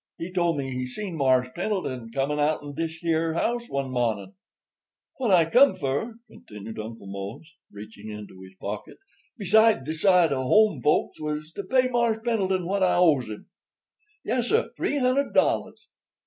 He told me he seen Mars' Pendleton comin' outen dish here house one mawnin'. "What I come fur," continued Uncle Mose, reaching into his pocket—"besides de sight of home folks—was to pay Mars' Pendleton what I owes him. "Yessir—three hundred dollars."